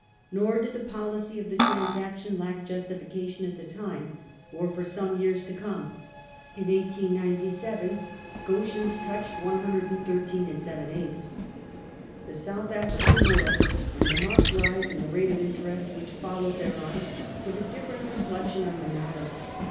Nor did the policy of the transaction lack justification at the time, or for some years to come. In 1897 ^'Goschens" touched \\^. The South African War and the marked rise in the rate of interest which followed thereon put a diff'erent complexion on the matter.